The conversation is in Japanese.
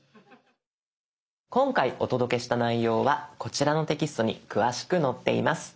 今回お届けした内容はこちらのテキストに詳しく載っています。